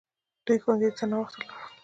دوی ښوونځي ته ناوخته لاړل!